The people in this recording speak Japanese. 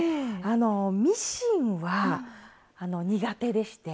あのミシンは苦手でして。